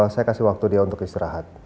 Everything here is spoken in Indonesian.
saya kasih waktu dia untuk istirahat